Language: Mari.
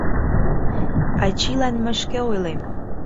Ачийлан мый шке ойлем.